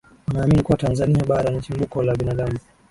wanaamini kuwa Tanzania bara ni chimbuko la binadamu